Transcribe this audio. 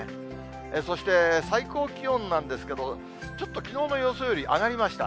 そして、最高気温なんですけど、ちょっときのうの予想より上がりました。